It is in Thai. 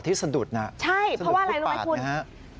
สะดุดนะใช่เพราะว่าอะไรรู้ไหมคุณฮะ